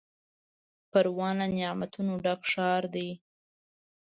پروان له نعمتونو ډک ښار دی.